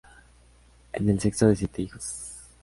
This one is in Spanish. Es el sexto de siete hijos.